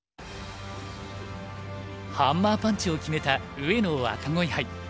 ハンマーパンチを決めた上野若鯉杯。